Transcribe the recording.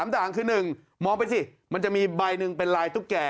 ด่างคือ๑มองไปสิมันจะมีใบหนึ่งเป็นลายตุ๊กแก่